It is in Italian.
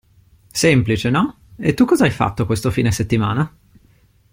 Semplice no? E tu cosa hai fatto questo fine settimana?